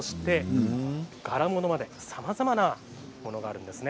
柄物までさまざまなものがあるんですね。